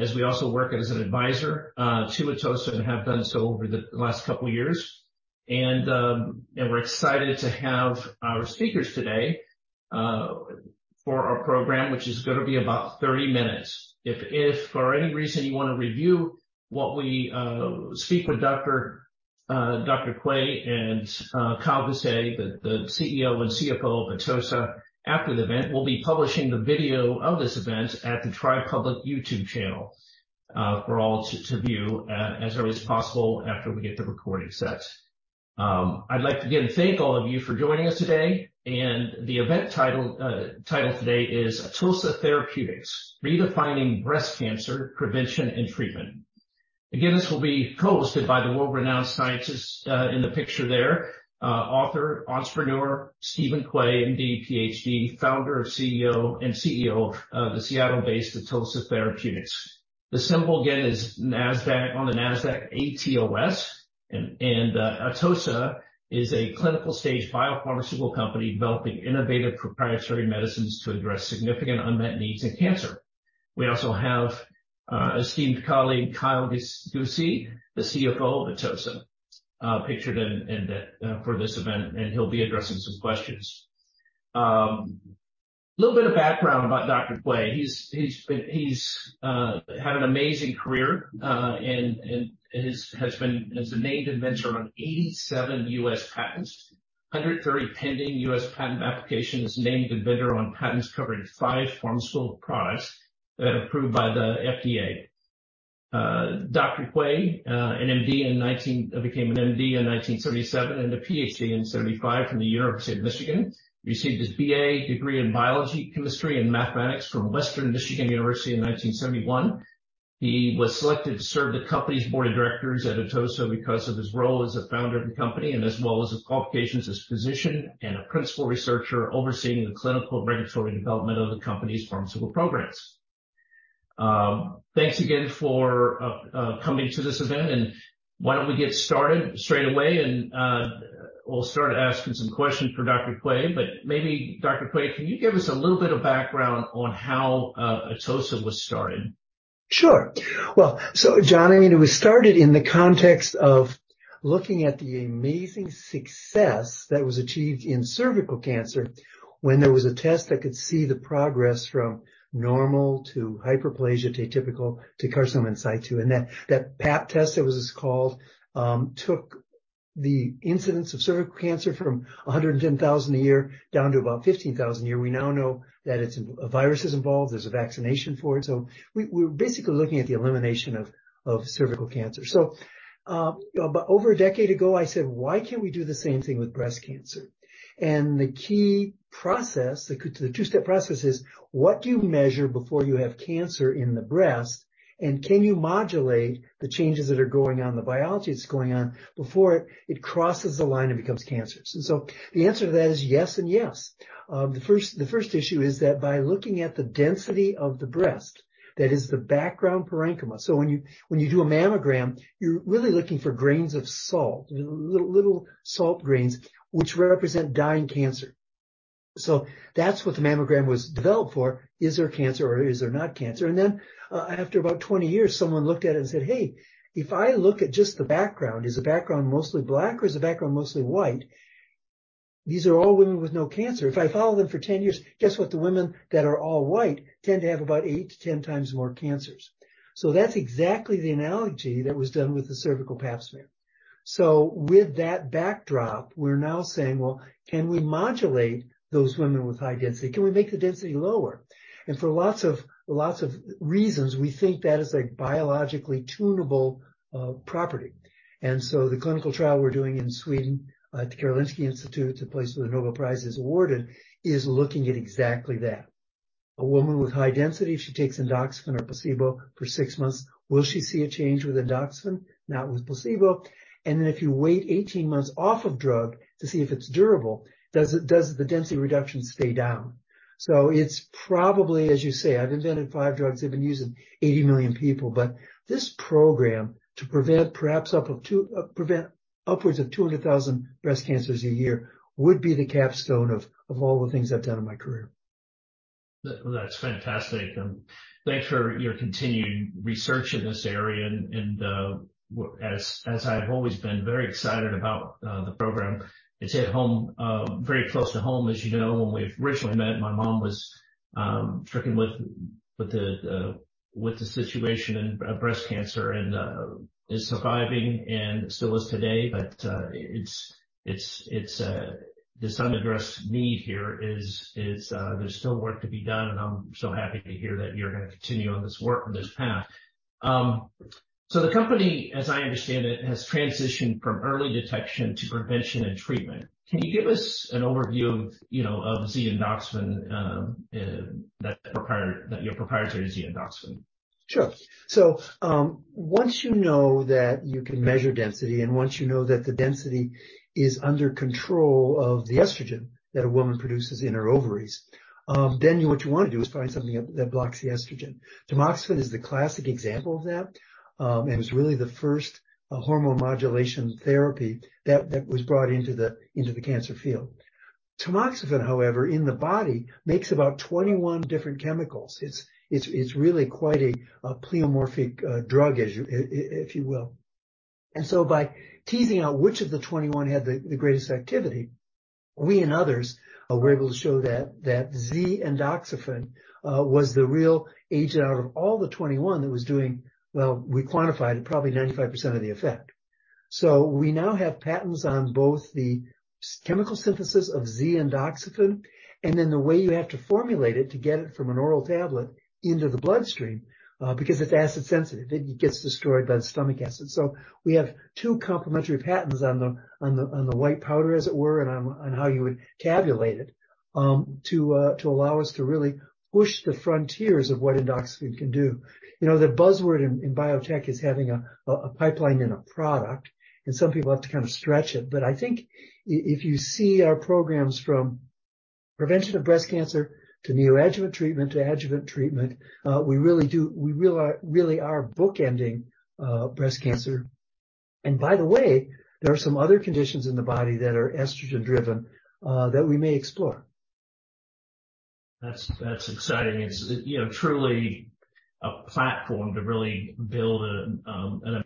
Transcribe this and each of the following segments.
As we also work as an advisor to Atossa and have done so over the last couple of years. We're excited to have our speakers today for our program, which is gonna be about 30 minutes. If for any reason you want to review what we speak with Dr. Quay and Kyle Guse, the CEO and CFO of Atossa, after the event, we'll be publishing the video of this event at the Tribe Public YouTube channel for all to view as early as possible after we get the recording set. I'd like to again thank all of you for joining us today, the event title today is Atossa Therapeutics: Redefining Breast Cancer Prevention and Treatment. Again, this will be co-hosted by the world-renowned scientist in the picture there, author, entrepreneur, Steven Quay, MD, PhD, founder and CEO of the Seattle-based Atossa Therapeutics. The symbol again is Nasdaq, on the Nasdaq, ATOS. Atossa is a clinical stage biopharmaceutical company developing innovative proprietary medicines to address significant unmet needs in cancer. We also have esteemed colleague, Kyle Guse, the CFO of Atossa, pictured in for this event, and he'll be addressing some questions. Little bit of background about Dr. Quay. He's had an amazing career and is a named inventor on 87 U.S. patents, 130 pending U.S. patent applications, named inventor on patents covering five pharmaceutical products approved by the FDA. Dr. Quay, an MD in 1977 and a PhD in 1975 from the University of Michigan. Received his BA degree in biology, chemistry, and mathematics from Western Michigan University in 1971. He was selected to serve the company's board of directors at Atossa because of his role as a founder of the company and as well as his qualifications as a physician and a principal researcher overseeing the clinical and regulatory development of the company's pharmaceutical programs. Thanks again for coming to this event. Why don't we get started straight away, and we'll start asking some questions for Dr. Quay. Maybe, Dr. Quay, can you give us a little bit of background on how Atossa was started? Sure. Well, John, I mean, it was started in the context of looking at the amazing success that was achieved in cervical cancer when there was a test that could see the progress from normal to Hyperplasia, atypical to Carcinoma in situ. That Pap test, it was just called, took the incidence of cervical cancer from 110,000 a year down to about 15,000 a year. We now know that it's a virus is involved. There's a vaccination for it. We're basically looking at the elimination of cervical cancer. But over a decade ago, I said, "Why can't we do the same thing with breast cancer?" The key process, the two-step process is, what do you measure before you have cancer in the breast? Can you modulate the changes that are going on, the biology that's going on before it crosses the line and becomes cancerous? The answer to that is yes and yes. The first issue is that by looking at the density of the breast, that is the background parenchyma. When you do a mammogram, you're really looking for grains of salt, little salt grains, which represent dying cancer. That's what the mammogram was developed for. Is there cancer or is there not cancer? After about 20 years, someone looked at it and said, "Hey, if I look at just the background, is the background mostly black or is the background mostly white?" These are all women with no cancer. If I follow them for 10 years, guess what? The women that are all white tend to have about eight to 10 times more cancers. That's exactly the analogy that was done with the cervical Pap test. With that backdrop, we're now saying, well, can we modulate those women with high density? Can we make the density lower? For lots of reasons, we think that is a biologically tunable property. The clinical trial we're doing in Sweden at the Karolinska Institutet, the place where the Nobel Prize is awarded, is looking at exactly that. A woman with high density, she takes Endoxifen or placebo for six months. Will she see a change with Endoxifen? Not with placebo. If you wait 18 months off of drug to see if it's durable, does the density reduction stay down? It's probably, as you say, I've invented five drugs that have been used in 80 million people. This program to prevent perhaps prevent upwards of 200,000 breast cancers a year would be the capstone of all the things I've done in my career. That's fantastic. Thanks for your continued research in this area. As I've always been very excited about the program, it's hit home very close to home. As you know, when we originally met, my mom was stricken with the situation in breast cancer and is surviving and still is today. It's this unaddressed need here is there's still work to be done, and I'm so happy to hear that you're gonna continue on this work, on this path. The company, as I understand it, has transitioned from early detection to prevention and treatment. Can you give us an overview of, you know, of the (Z)-Endoxifen, that your proprietary (Z)-Endoxifen? Once you know that you can measure density and once you know that the density is under control of the estrogen that a woman produces in her ovaries, what you wanna do is find something that blocks the estrogen. Tamoxifen is the classic example of that, and is really the first hormone modulation therapy that was brought into the cancer field. Tamoxifen, however, in the body, makes about 21 different chemicals. It's really quite a pleomorphic drug as you will. By teasing out which of the 21 had the greatest activity, we and others were able to show that (Z)-Endoxifen was the real agent out of all the 21 that was doing, well, we quantified it, probably 95% of the effect. We now have patents on both the chemical synthesis of (Z)-Endoxifen, and then the way you have to formulate it to get it from an oral tablet into the bloodstream, because it's acid sensitive, it gets destroyed by the stomach acid. We have two complementary patents on the white powder, as it were, and on how you would tabulate it, to allow us to really push the frontiers of what Endoxifen can do. You know, the buzzword in biotech is having a pipeline and a product, and some people have to kind of stretch it. I think if you see our programs from prevention of breast cancer to Neoadjuvant treatment to adjuvant treatment, we really are bookending breast cancer. By the way, there are some other conditions in the body that are estrogen-driven that we may explore. That's, that's exciting. It's, you know, truly a platform to really build a.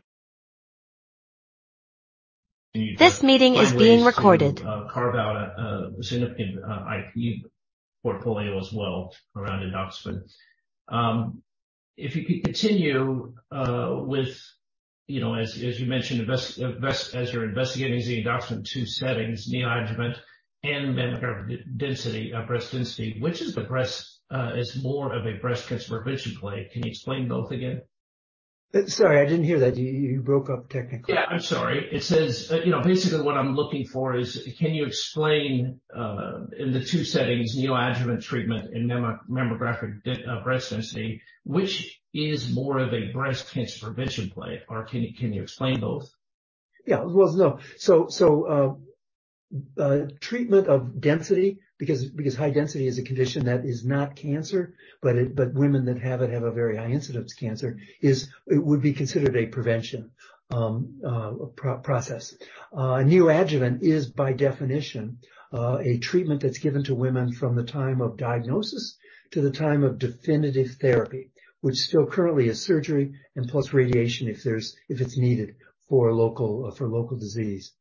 This meeting is being recorded. Ways to carve out a significant IP portfolio as well around Endoxifen. If you could continue with, you know, as you mentioned, as you're investigating (Z)-Endoxifen in two settings, Neoadjuvant and mammographic breast density, which is more of a breast cancer prevention play? Can you explain both again? Sorry, I didn't hear that. You broke up technically. Yeah, I'm sorry. It says, you know, basically what I'm looking for is can you explain, in the two settings, neoadjuvant treatment and mammographic breast density, which is more of a breast cancer prevention play? Can you explain both? Yeah. Well, no. Treatment of density, because high density is a condition that is not cancer, but women that have it have a very high incidence cancer, is it would be considered a prevention process. Neoadjuvant is by definition a treatment that's given to women from the time of diagnosis to the time of definitive therapy, which still currently is surgery and plus radiation if it's needed for local, for local disease.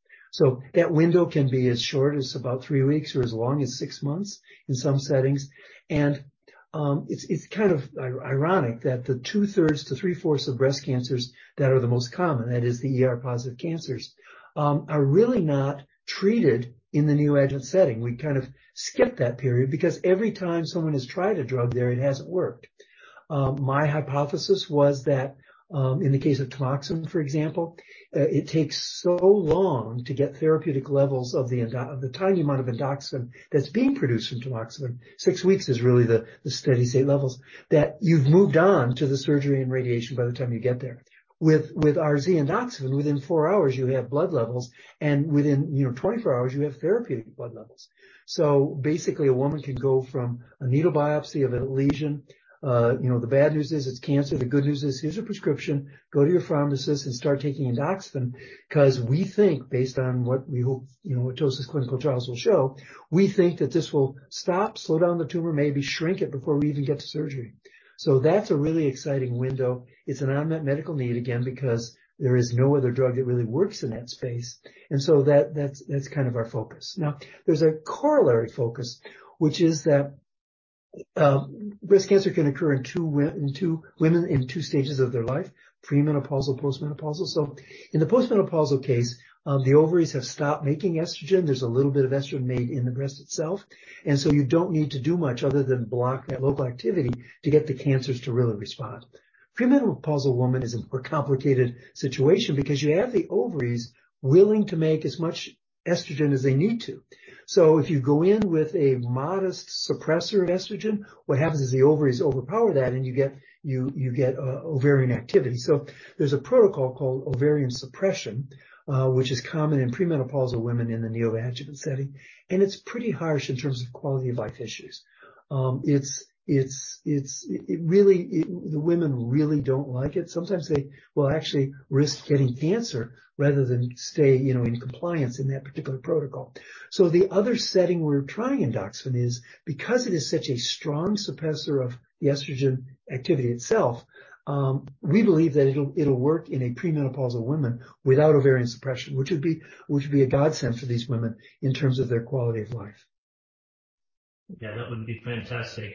That window can be as short as about three weeks or as long as six months in some settings. It's kind of ironic that the two-thirds to three-fourths of breast cancers that are the most common, that is, the ER-positive cancers, are really not treated in the neoadjuvant setting. We kind of skip that period because every time someone has tried a drug there, it hasn't worked. My hypothesis was that, in the case of Tamoxifen, for example, it takes so long to get therapeutic levels of the tiny amount of Endoxifen that's being produced from Tamoxifen. six weeks is really the steady-state levels that you've moved on to the surgery and radiation by the time you get there. With our (Z)-Endoxifen, within four hours, you have blood levels, and within, you know, 24 hours, you have therapeutic blood levels. Basically, a woman can go from a needle biopsy of a lesion. You know, the bad news is it's cancer. The good news is, here's a prescription. Go to your pharmacist and start taking Endoxifen because we think based on what we hope, you know, what Atossa clinical trials will show, we think that this will stop, slow down the tumor, maybe shrink it before we even get to surgery. That's a really exciting window. It's an unmet medical need again, because there is no other drug that really works in that space. That, that's kind of our focus. Now, there's a corollary focus, which is that breast cancer can occur in two women in two stages of their life, premenopausal, postmenopausal. In the postmenopausal case, the ovaries have stopped making estrogen. There's a little bit of estrogen made in the breast itself. You don't need to do much other than block that local activity to get the cancers to really respond. Premenopausal woman is a more complicated situation because you have the ovaries willing to make as much estrogen as they need to. If you go in with a modest suppressor of estrogen, what happens is the ovaries overpower that, and you get ovarian activity. There's a protocol called ovarian suppression, which is common in premenopausal women in the neoadjuvant setting. It's pretty harsh in terms of quality-of-life issues. It's the women really don't like it. Sometimes they will actually risk getting cancer rather than stay, you know, in compliance in that particular protocol. The other setting we're trying Endoxifen is because it is such a strong suppressor of the estrogen activity itself, we believe that it'll work in a premenopausal woman without ovarian suppression, which would be a godsend for these women in terms of their quality of life. Yeah, that would be fantastic.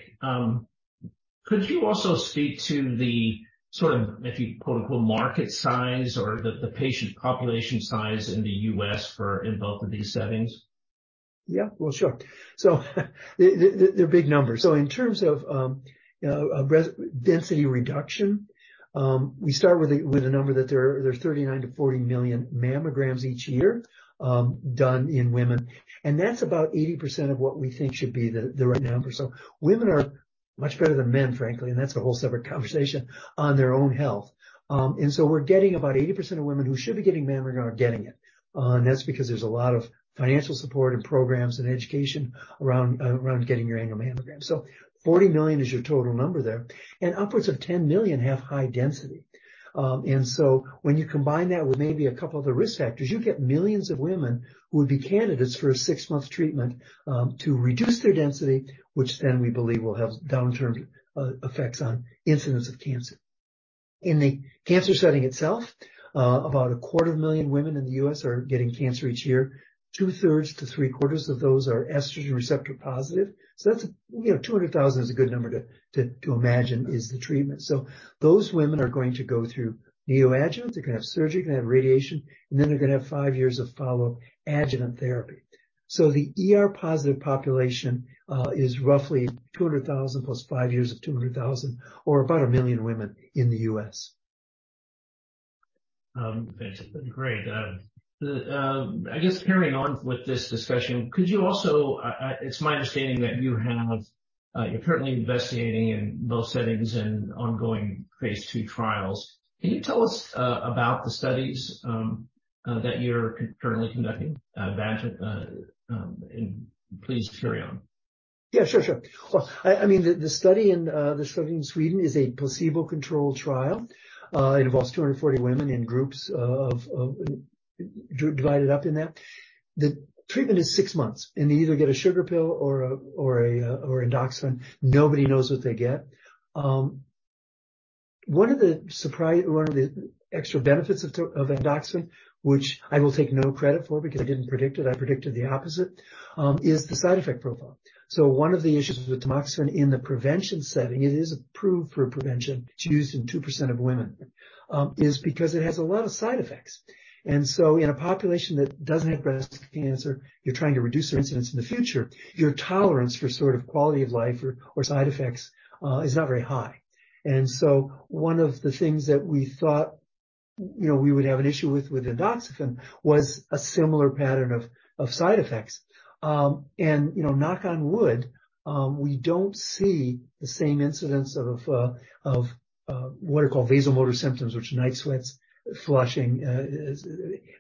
Could you also speak to the sort of, if you quote-unquote, "market size" or the patient population size in the US in both of these settings? Yeah. Well, sure. They're big numbers. In terms of breast density reduction, we start with a number that there are 39 million-40 million mammograms each year done in women. That's about 80% of what we think should be the right number. Women are much better than men, frankly, and that's a whole separate conversation on their own health. We're getting about 80% of women who should be getting mammogram are getting it. That's because there's a lot of financial support and programs and education around getting your annual mammogram. 40 million is your total number there, and upwards of 10 million have high density. When you combine that with maybe a couple of other risk factors, you get millions of women who would be candidates for a six-month treatment to reduce their density, which then we believe will have down term effects on incidence of cancer. In the cancer setting itself, about a quarter of a million women in the U.S. are getting cancer each year. Two-thirds to three-quarters of those are estrogen receptor positive. That's you know, 200,000 is a good number to imagine is the treatment. Those women are going to go through neoadjuvant. They're going to have surgery, they're going to have radiation, and then they're going to have five years of follow-up adjuvant therapy. The ER-positive population is roughly 200,000 plus five years of 200,000, or about one million women in the U.S. That's great. The I guess carrying on with this discussion, could you also, it's my understanding that you have, you're currently investigating in both settings and ongoing phase 2 trials. Can you tell us about the studies that you're currently conducting, EVANGELINE, and please carry on. Sure. Sure. I mean, the study in Sweden is a placebo-controlled trial. It involves 240 women in groups of, divided up in that. The treatment is six months and they either get a sugar pill or a, or Endoxifen. Nobody knows what they get. One of the extra benefits of Endoxifen, which I will take no credit for because I didn't predict it, I predicted the opposite, is the side effect profile. One of the issues with Tamoxifen in the prevention setting, it is approved for prevention. It's used in 2% of women, is because it has a lot of side effects. In a population that doesn't have breast cancer, you're trying to reduce their incidence in the future, your tolerance for sort of quality of life or side effects is not very high. One of the things that we thought, you know, we would have an issue with Endoxifen was a similar pattern of side effects. You know, knock on wood, we don't see the same incidence of what are called vasomotor symptoms, which are night sweats, flushing,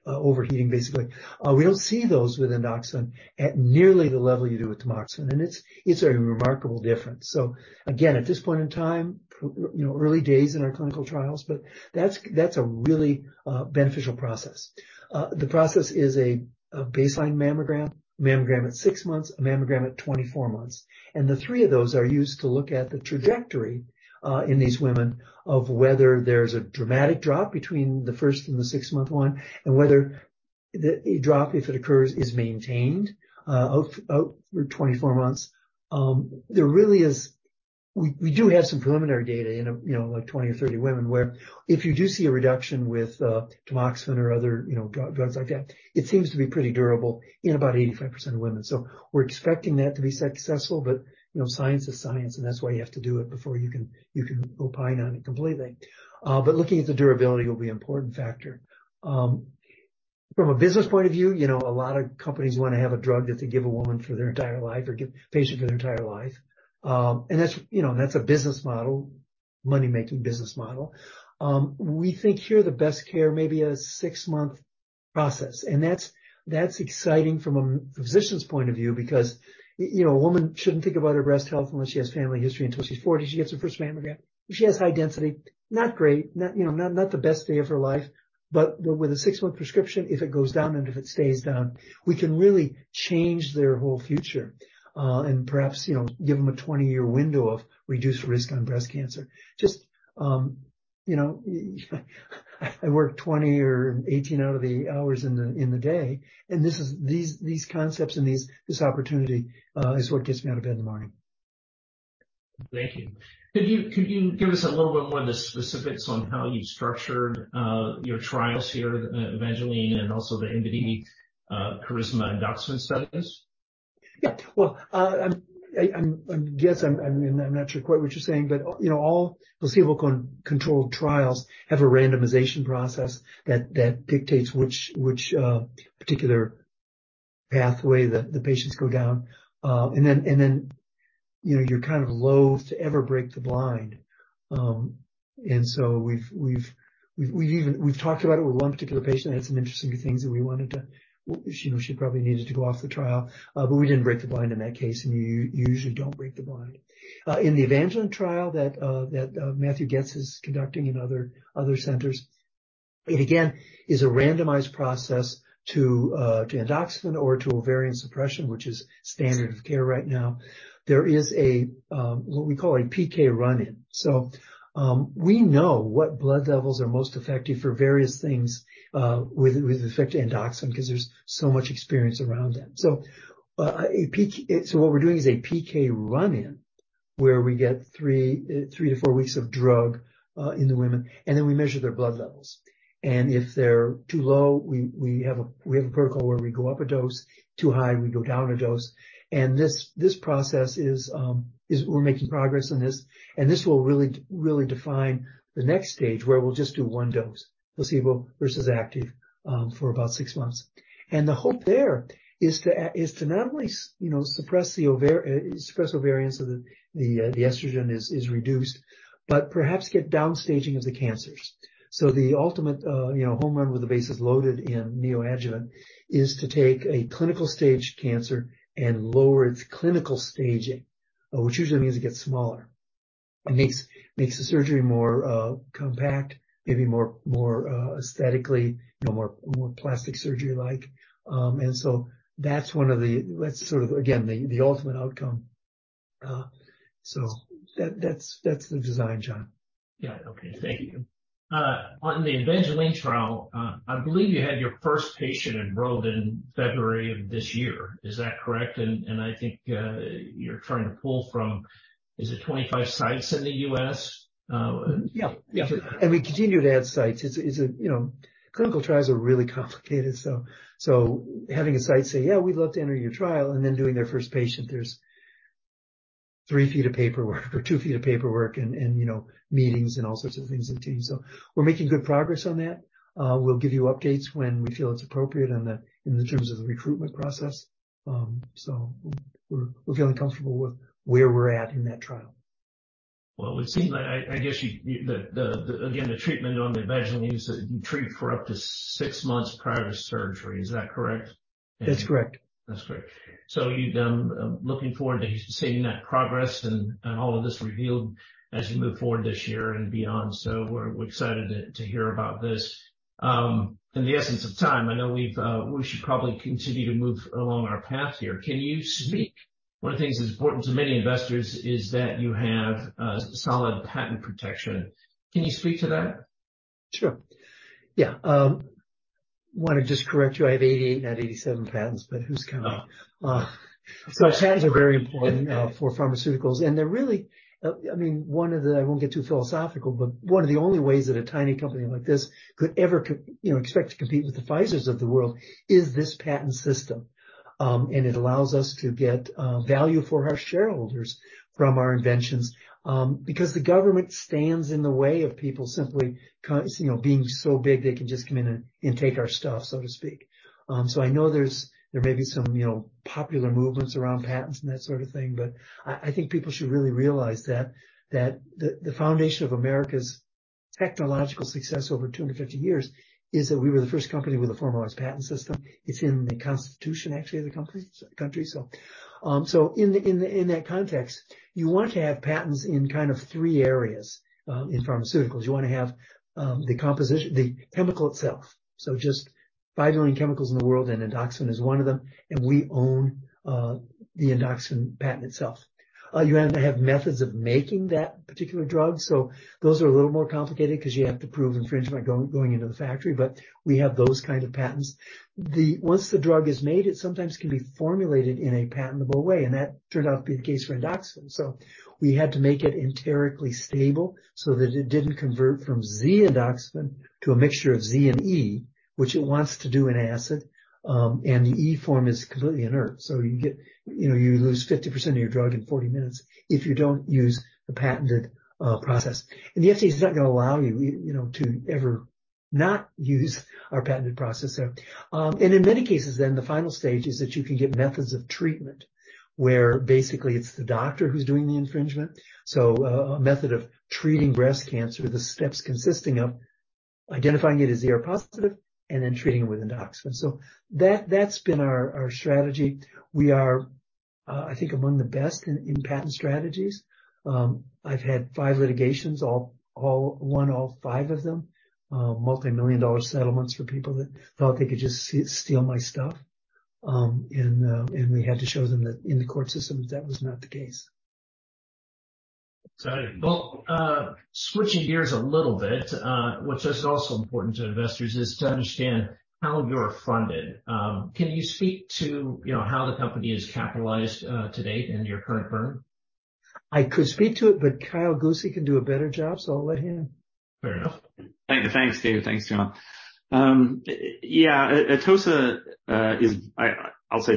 overheating, basically. We don't see those with Endoxifen at nearly the level you do with Tamoxifen, it's a remarkable difference. Again, at this point in time, you know, early days in our clinical trials, that's a really beneficial process. The process is a baseline mammogram at six months, a mammogram at 24 months. The three of those are used to look at the trajectory in these women of whether there's a dramatic drop between the first and the six-month one, and whether the drop, if it occurs, is maintained out through 24 months. There really is we do have some preliminary data in a, you know, like 20 or 30 women where if you do see a reduction with Tamoxifen or other, you know, drugs like that, it seems to be pretty durable in about 85% of women. We're expecting that to be successful, but, you know, science is science, and that's why you have to do it before you can opine on it completely. Looking at the durability will be important factor. From a business point of view, you know, a lot of companies want to have a drug that they give a woman for their entire life or give patient for their entire life. That's, you know, that's a business model, money-making business model. We think here the best care may be a six-month process. That's, that's exciting from a physician's point of view because you know, a woman shouldn't think about her breast health unless she has family history. Until she's 40, she gets her first mammogram. If she has high density, not great, not, you know, not the best day of her life. With a six-month prescription, if it goes down and if it stays down, we can really change their whole future, and perhaps, you know, give them a 20-year window of reduced risk on breast cancer. Just, you know, I work 20 or 18 out of the hours in the day, and this is, these concepts and these, this opportunity is what gets me out of bed in the morning. Thank you. Could you give us a little bit more of the specifics on how you structured your trials here, EVANGELINE and also the MBD, KARISMA-Endoxifen studies? Yeah. Well, I'm not sure quite what you're saying, but, you know, all placebo controlled trials have a randomization process that dictates which particular pathway the patients go down. Then, you know, you're kind of loathe to ever break the blind. So we've talked about it with one particular patient that had some interesting things. She, you know, she probably needed to go off the trial, but we didn't break the blind in that case, and you usually don't break the blind. In the EVANGELINE trial that Matthew Goetz is conducting in other centers, it again is a randomized process to Endoxifen or to ovarian suppression, which is standard of care right now. There is a what we call a PK run-in. We know what blood levels are most effective for various things with respect to Endoxifen 'cause there's so much experience around that. What we're doing is a PK run-in, where we get three to four weeks of drug in the women, and then we measure their blood levels. If they're too low, we have a protocol where we go up a dose. Too high, we go down a dose. This process is we're making progress on this. This will really define the next stage where we'll just do one dose, placebo versus active for about six months. The hope there is to not only you know, suppress ovarian so that the estrogen is reduced, but perhaps get downstaging of the cancers. The ultimate, you know, home run with the bases loaded in neoadjuvant is to take a clinical stage cancer and lower its clinical staging, which usually means it gets smaller. It makes the surgery more compact, maybe more aesthetically, you know, more plastic surgery-like. That's sort of, again, the ultimate outcome. That, that's the design, John. Yeah. Okay. Thank you. On the EVANGELINE trial, I believe you had your first patient enrolled in February of this year. Is that correct? I think you're trying to pull from, is it 25 sites in the U.S.? Yeah. Yeah. We continue to add sites. It's, you know, clinical trials are really complicated, having a site say, "Yeah, we'd love to enter your trial," and then doing their first patient, there's 3 ft. of paperwork or 2 ft. of paperwork and, you know, meetings and all sorts of things and teams. We're making good progress on that. We'll give you updates when we feel it's appropriate in the, in the terms of the recruitment process. We're, we're feeling comfortable with where we're at in that trial. Well, it seems like again, the treatment on the EVANGELINE is that you treat for up to six months prior to surgery. Is that correct? That's correct. That's correct. You've looking forward to seeing that progress and all of this revealed as you move forward this year and beyond. We're excited to hear about this. In the essence of time, I know we've we should probably continue to move along our path here. One of the things that's important to many investors is that you have a solid patent protection. Can you speak to that? Sure. Yeah. Wanna just correct you. I have 88, not 87 patents, but who's counting? Oh. Patents are very important for pharmaceuticals, and they're really, I mean, one of the only ways that a tiny company like this could ever you know, expect to compete with the Pfizers of the world is this patent system. It allows us to get value for our shareholders from our inventions. The government stands in the way of people simply you know, being so big, they can just come in and take our stuff, so to speak. I know there's, there may be some, you know, popular movements around patents and that sort of thing, but I think people should really realize that the foundation of America's technological success over 250 years is that we were the first company with a formalized patent system. It's in the Constitution, actually, of the country so. In that context, you want to have patents in kind of three areas in pharmaceuticals. You wanna have the composition, the chemical itself. Just five million chemicals in the world, and Endoxifen is one of them, and we own the Endoxifen patent itself. You have to have methods of making that particular drug. Those are a little more complicated 'cause you have to prove infringement going into the factory, but we have those kind of patents. Once the drug is made, it sometimes can be formulated in a patentable way, and that turned out to be the case for Endoxifen. We had to make it enterically stable so that it didn't convert from Z-Endoxifen to a mixture of Z and E, which it wants to do in acid. And the E form is completely inert. You know, you lose 50% of your drug in 40 minutes if you don't use the patented process. The FTC is not gonna allow you know, to ever not use our patented process there. In many cases, the final stage is that you can get methods of treatment, where basically it's the doctor who's doing the infringement. A method of treating breast cancer, the steps consisting of identifying it as ER-positive and then treating it with (Z)-Endoxifen. That, that's been our strategy. We are, I think among the best in patent strategies. I've had five litigations, all won all five of them. Multimillion-dollar settlements for people that thought they could just steal my stuff. We had to show them that in the court system, that was not the case. Got it. Well, switching gears a little bit, what's just also important to investors is to understand how you're funded. Can you speak to, you know, how the company is capitalized, to date and your current burn? I could speak to it. Kyle Guse can do a better job. I'll let him. Fair enough. Thank you. Thanks, David. Thanks, John. Atossa is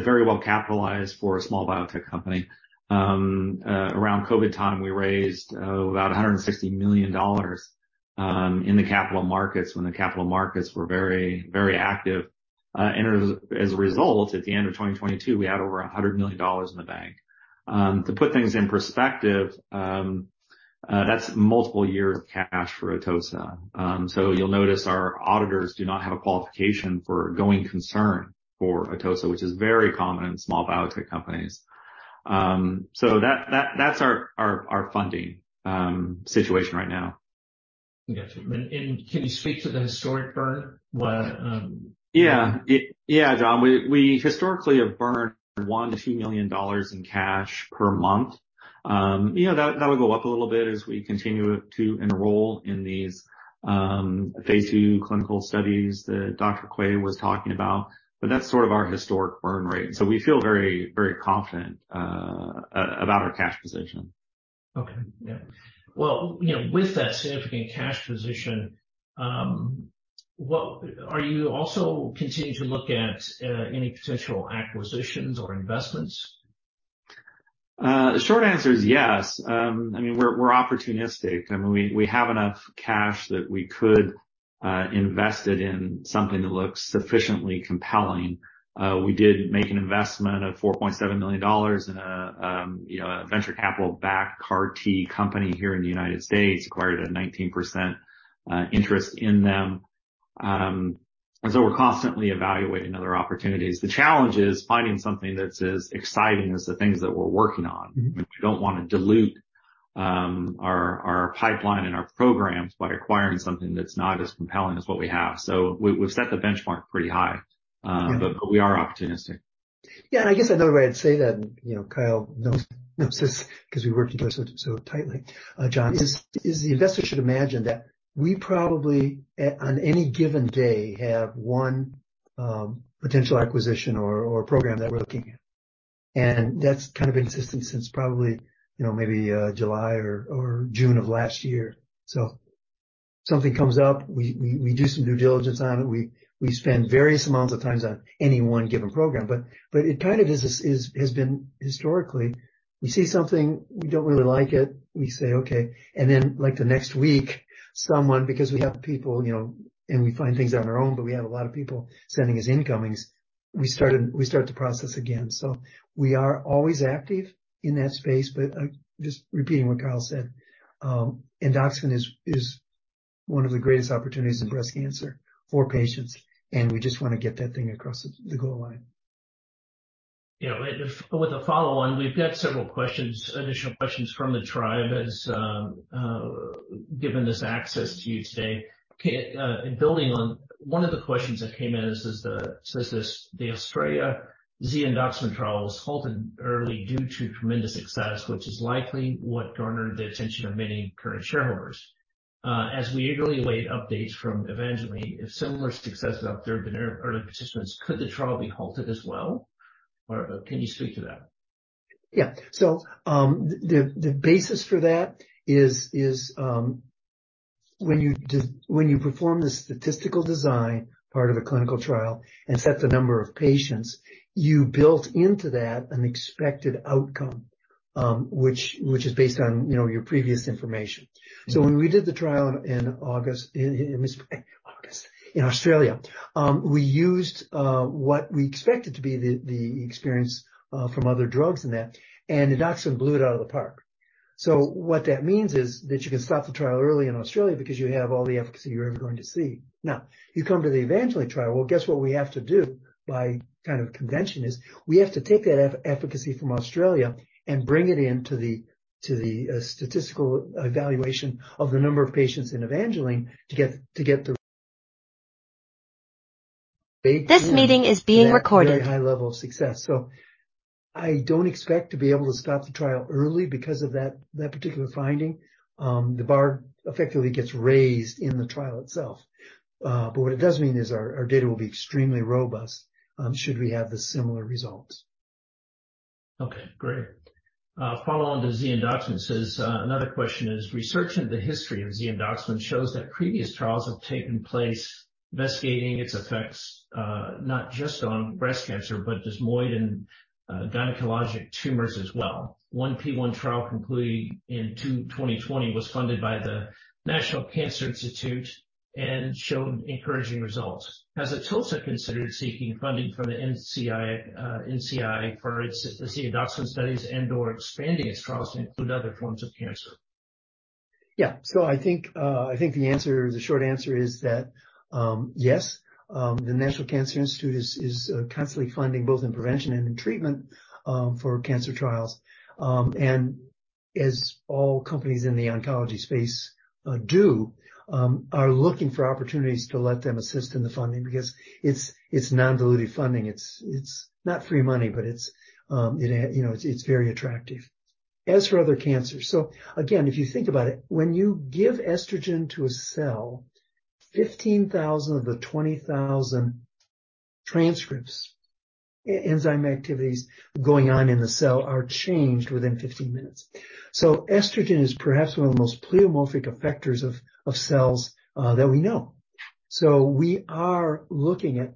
very well capitalized for a small biotech company. Around COVID time, we raised about $160 million in the capital markets when the capital markets were very, very active. As a result, at the end of 2022, we had over $100 million in the bank. To put things in perspective, that's multiple years of cash for Atossa. You'll notice our auditors do not have a qualification for going concern for Atossa, which is very common in small biotech companies. That's our funding situation right now. Got you. Can you speak to the historic burn? Yeah, John. We historically have burned $1 million-$2 million in cash per month. You know, that will go up a little bit as we continue to enroll in these phase two clinical studies that Dr. Quay was talking about. That's sort of our historic burn rate. We feel very confident about our cash position. Okay. Yeah. Well, you know, with that significant cash position, are you also continuing to look at any potential acquisitions or investments? The short answer is yes. I mean, we're opportunistic. I mean, we have enough cash that we could invest it in something that looks sufficiently compelling. We did make an investment of $4.7 million in a, you know, a venture capital-backed CAR-T company here in the United States, acquired a 19% interest in them. We're constantly evaluating other opportunities. The challenge is finding something that's as exciting as the things that we're working on. Mm-hmm. We don't wanna dilute. Our pipeline and our programs by acquiring something that's not as compelling as what we have. We've set the benchmark pretty high. Yeah. We are opportunistic. Yeah. I guess another way I'd say that, and, you know, Kyle Guse knows this 'cause we worked with you so tightly, John, is the investor should imagine that we probably on any given day have one potential acquisition or program that we're looking at. That's kind of been consistent since probably, you know, maybe July or June of last year. Something comes up, we do some due diligence on it. We spend various amounts of times on any one given program. It kind of is, has been historically, we see something, we don't really like it, we say, "Okay." Then like the next week, someone because we have people, you know, and we find things on our own, but we have a lot of people sending us incomings. We start an... We start the process again. We are always active in that space. Just repeating what Kyle said, Endoxifen is one of the greatest opportunities in breast cancer for patients, and we just wanna get that thing across the goal line. With a follow-on, we've got several questions, additional questions from the tribe as given this access to you today. In building on one of the questions that came in, the Australia (Z)-Endoxifen trial was halted early due to tremendous success, which is likely what garnered the attention of many current shareholders. We eagerly await updates from EVANGELINE. If similar success is out there been early participants, could the trial be halted as well? Can you speak to that? Yeah. The basis for that is when you perform the statistical design part of a clinical trial and set the number of patients, you built into that an expected outcome, which is based on, you know, your previous information. When we did the trial in August in Australia, we used what we expected to be the experience from other drugs in that, and Endoxifen blew it out of the park. What that means is that you can stop the trial early in Australia because you have all the efficacy you're ever going to see. You come to the EVANGELINE trial. Well, guess what we have to do by kind of convention is we have to take that efficacy from Australia and bring it in to the statistical evaluation of the number of patients in EVANGELINE to get the. This meeting is being recorded. That very high level of success. I don't expect to be able to stop the trial early because of that particular finding. The bar effectively gets raised in the trial itself. What it does mean is our data will be extremely robust, should we have the similar results. Okay, great. follow on to (Z)-Endoxifen says, another question is, research into the history of (Z)-Endoxifen shows that previous trials have taken place investigating its effects, not just on breast cancer but desmoid and gynecologic tumors as well. One Phase 1 trial concluded in 2020 was funded by the National Cancer Institute and showed encouraging results. Has Atossa considered seeking funding from the NCI for its (Z)-Endoxifen studies and/or expanding its trials to include other forms of cancer? I think the answer, the short answer is that, yes, the National Cancer Institute is constantly funding both in prevention and in treatment for cancer trials. As all companies in the oncology space do, are looking for opportunities to let them assist in the funding because it's non-dilutive funding. It's not free money, but it's, you know, it's very attractive. As for other cancers, again, if you think about it, when you give estrogen to a cell, 15,000 of the 20,000 transcripts, e-enzyme activities going on in the cell are changed within 15 minutes. Estrogen is perhaps one of the most pleomorphic effectors of cells that we know. We are looking at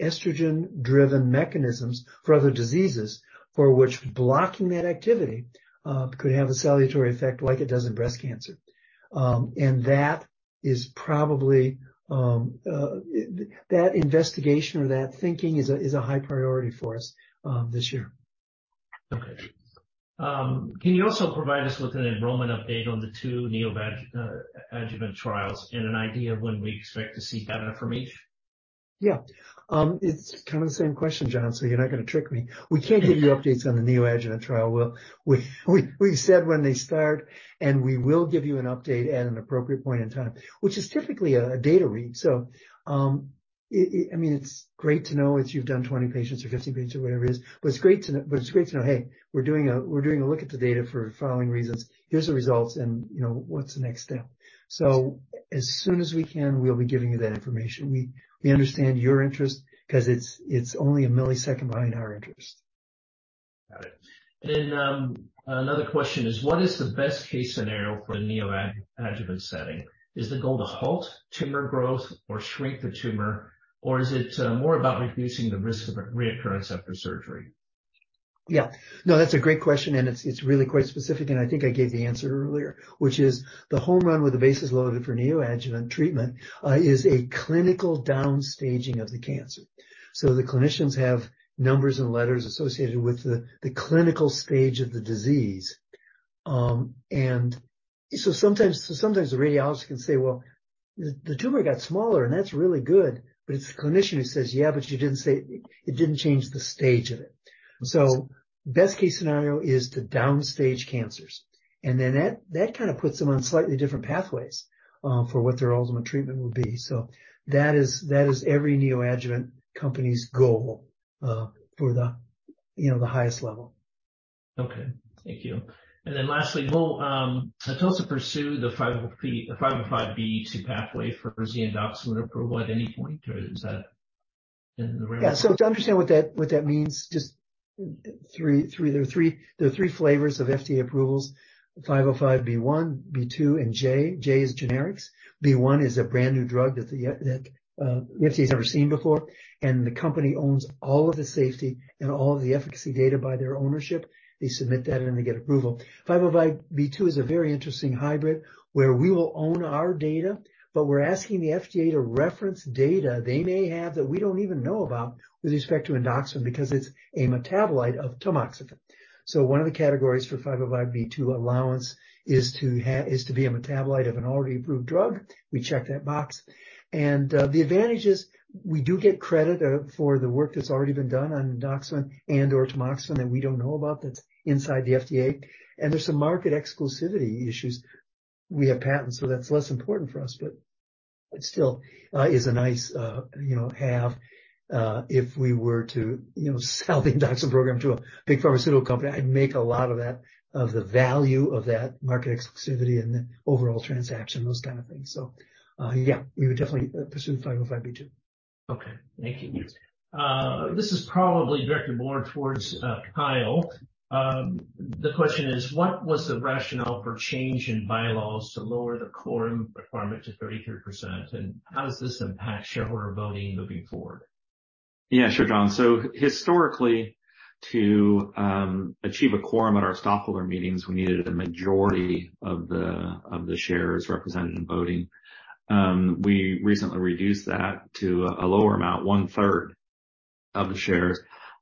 estrogen-driven mechanisms for other diseases for which blocking that activity, could have a salutary effect like it does in breast cancer. That is probably, that investigation or that thinking is a high priority for us, this year. Okay. Can you also provide us with an enrollment update on the two neoadjuvant trials and an idea of when we expect to see that information? It's kind of the same question, John, so you're not gonna trick me. We can't give you updates on the neoadjuvant trial. We've said when they start, we will give you an update at an appropriate point in time, which is typically a data read. I mean, it's great to know if you've done 20 patients or 15 patients or whatever it is. It's great to know, hey, we're doing a look at the data for the following reasons. Here's the results, you know, what's the next step? As soon as we can, we'll be giving you that information. We understand your interest 'cause it's only a millisecond behind our interest. Got it. Another question is, what is the best-case scenario for a neoadjuvant setting? Is the goal to halt tumor growth or shrink the tumor, or is it more about reducing the risk of a recurrence after surgery? Yeah. No, that's a great question, and it's really quite specific, and I think I gave the answer earlier, which is the home run with the bases loaded for neoadjuvant treatment, is a clinical downstaging of the cancer. The clinicians have numbers and letters associated with the clinical stage of the disease. Sometimes the radiologist can say, "Well, the tumor got smaller, and that's really good." It's the clinician who says, "Yeah, but it didn't change the stage of it." Best case scenario is to downstage cancers, and then that kind of puts them on slightly different pathways for what their ultimate treatment would be. That is every neoadjuvant company's goal for the, you know, the highest level. Okay, thank you. Then lastly, will Atossa pursue the 505(b)(2) pathway for the Endoxifen approval at any point, or is that in the rear view? To understand what that, what that means, just three, there are three, there are three flavors of FDA approvals. 505(b)(1), (b)(2), and J. J is generics. (b)(1) is a brand new drug that the that the FDA's never seen before, and the company owns all of the safety and all of the efficacy data by their ownership. They submit that, and they get approval. 505(b)(2) is a very interesting hybrid where we will own our data, but we're asking the FDA to reference data they may have that we don't even know about with respect to Endoxifen because it's a metabolite of tamoxifen. One of the categories for 505(b)(2) allowance is to be a metabolite of an already approved drug. We check that box. The advantage is we do get credit for the work that's already been done on Endoxifen and/or Tamoxifen that we don't know about that's inside the FDA. There's some market exclusivity issues. We have patents, so that's less important for us, but it still is a nice, you know, have, if we were to, you know, sell the Endoxifen program to a big pharmaceutical company, I'd make a lot of that, of the value of that market exclusivity and the overall transaction, those kind of things. Yeah, we would definitely pursue 505(b)(2). Okay, thank you. This is probably directed more towards Kyle. The question is, what was the rationale for change in bylaws to lower the quorum requirement to 33%, and how does this impact shareholder voting moving forward? Yeah, sure, John. Historically, to achieve a quorum at our stockholder meetings, we needed a majority of the shares represented in voting. We recently reduced that to a lower amount, one-third of the shares.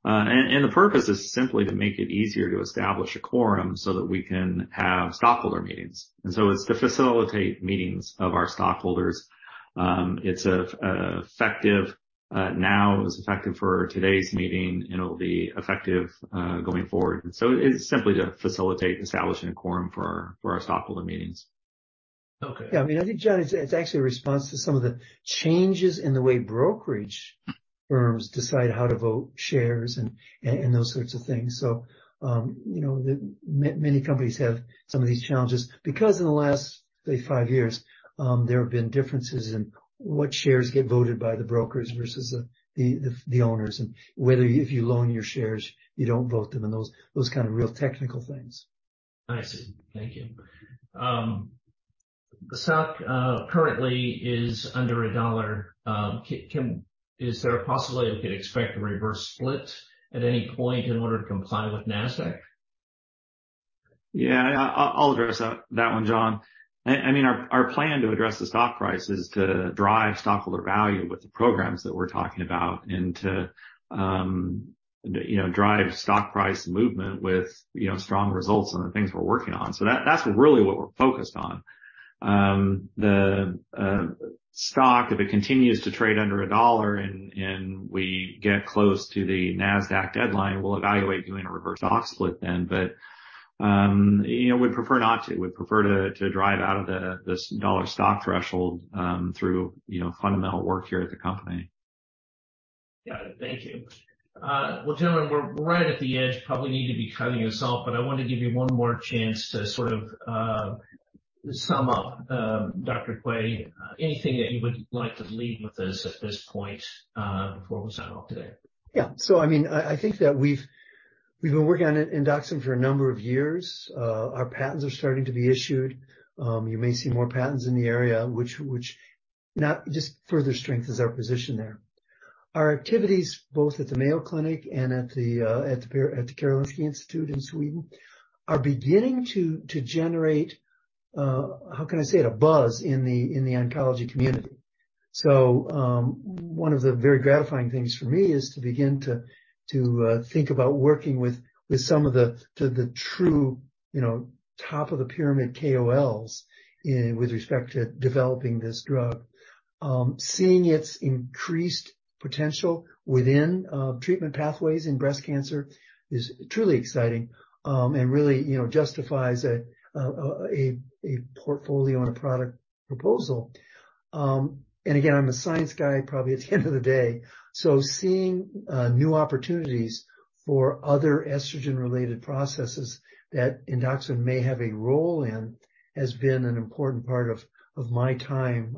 And the purpose is simply to make it easier to establish a quorum so that we can have stockholder meetings. It's to facilitate meetings of our stockholders. It's effective now. It was effective for today's meeting, and it'll be effective going forward. It's simply to facilitate establishing a quorum for our stockholder meetings. Okay. I mean, I think, John, it's actually a response to some of the changes in the way brokerage firms decide how to vote shares and those sorts of things. You know, many companies have some of these challenges because in the last, say, five years, there have been differences in what shares get voted by the brokers versus the owners. Whether if you loan your shares, you don't vote them, and those kind of real technical things. I see. Thank you. The stock currently is under $1. Is there a possibility we could expect a reverse split at any point in order to comply with Nasdaq? Yeah. I'll address that one, John. I mean, our plan to address the stock price is to drive stockholder value with the programs that we're talking about and to, you know, drive stock price movement with, you know, strong results on the things we're working on. That's really what we're focused on. The stock, if it continues to trade under $1 and we get close to the Nasdaq deadline, we'll evaluate doing a reverse stock split then. You know, we'd prefer not to. We'd prefer to drive out of this $1 stock threshold, through, you know, fundamental work here at the company. Got it. Thank you. Well, gentlemen, we're right at the edge. Probably need to be cutting us off, but I want to give you one more chance to sort of, sum up. Dr. Steven Quay, anything that you would like to leave with us at this point, before we sign off today? Yeah. I mean, I think that we've been working on Endoxifen for a number of years. Our patents are starting to be issued. You may see more patents in the area which not just further strengthens our position there. Our activities, both at the Mayo Clinic and at the Karolinska Institutet in Sweden, are beginning to generate, how can I say it, a buzz in the oncology community. One of the very gratifying things for me is to begin to think about working with some of the true, you know, top of the pyramid KOLs with respect to developing this drug. Seeing its increased potential within treatment pathways in breast cancer is truly exciting, and really, you know, justifies a portfolio on a product proposal. Again, I'm a science guy probably at the end of the day, so seeing new opportunities for other estrogen-related processes that Endoxifen may have a role in has been an important part of my time.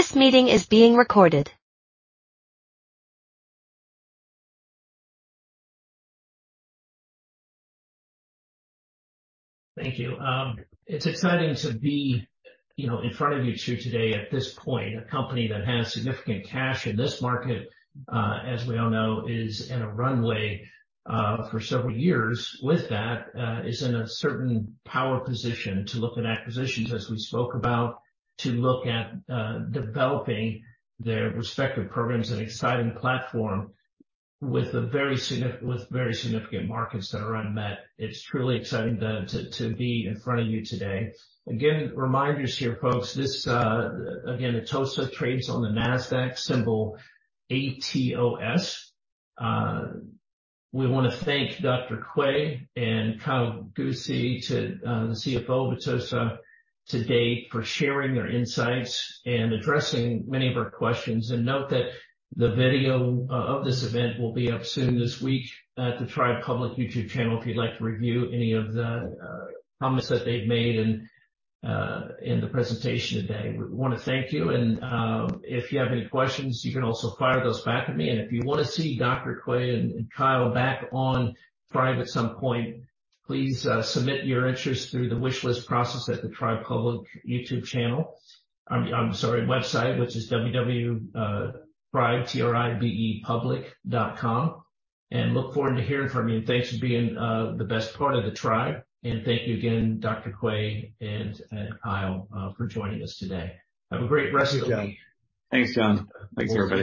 This meeting is being recorded. Thank you. It's exciting to be, you know, in front of you two today at this point, a company that has significant cash in this market, as we all know, is in a runway for several years. With that, is in a certain power position to look at acquisitions, as we spoke about, to look at developing their respective programs and exciting platform with a very significant with very significant markets that are unmet. It's truly exciting to be in front of you today. Reminders here, folks. This Atossa trades on the Nasdaq symbol ATOS. We wanna thank Dr. Quay and Kyle Guse, the CFO of Atossa today for sharing their insights and addressing many of our questions. Note that the video of this event will be up soon this week at the Tribe Public YouTube channel if you'd like to review any of the comments that they've made in the presentation today. We wanna thank you and, if you have any questions, you can also fire those back at me. If you wanna see Dr. Quay and Kyle back on Tribe at some point, please submit your interest through the wish list process at the Tribe Public YouTube channel. I'm sorry, website, which is www.tribepublic.com. Look forward to hearing from you, and thanks for being the best part of the Tribe. Thank you again, Dr. Quay and Kyle for joining us today. Have a great rest of the week. Thanks, John. Thanks, everybody.